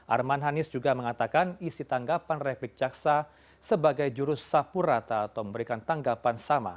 arman hanis juga mengatakan isi tanggapan replik caksa sebagai jurus sapurata atau memberikan tanggapan sama